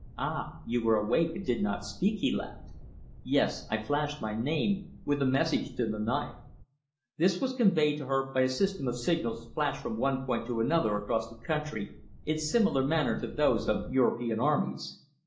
"Ah! you were awake and did not speak," he laughed. "Yes, I flashed my name, with a message to the Naya. This was conveyed to her by a system of signals flashed from one point to another across the country in similar manner to those of European armies.